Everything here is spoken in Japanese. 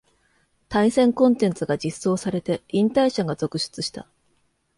対戦コンテンツが実装されて引退者が続出した